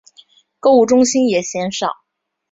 购物中心也鲜少。